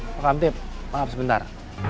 pak kamtip maaf sebentar